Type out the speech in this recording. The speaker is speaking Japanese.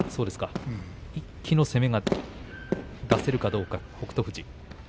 一気の攻めが出せるかどうか北勝富士。